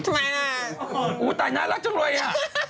อ่าวตายน่ารักจังเลยอ่ะ